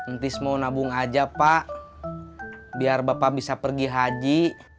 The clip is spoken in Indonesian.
entis mau nabung aja pak biar bapak bisa pergi haji